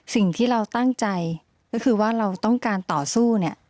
สิ่งที่เราตั้งใจก็คือว่าเราต้องการต่อสู้เนี่ย